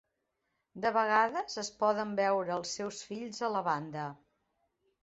De vegades es poden veure els seus fills a la banda.